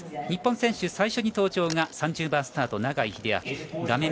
日本選手で最初に登場が３０番スタート、永井秀昭。